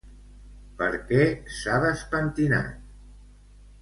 Per què s'ha despentinat?